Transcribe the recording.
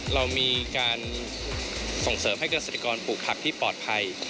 เรามีการส่งเสริมให้เกษตรกรปลูกผักที่ปลอดภัย